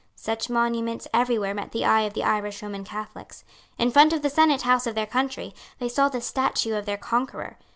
Such monuments every where met the eye of the Irish Roman Catholics. In front of the Senate House of their country, they saw the statue of their conqueror.